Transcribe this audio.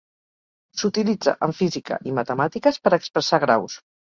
S'utilitza en física i matemàtiques per expressar graus.